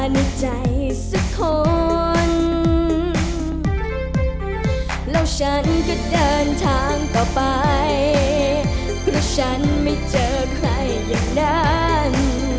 แล้วฉันก็เดินทางต่อไปเพราะฉันไม่เจอใครอย่างนั้น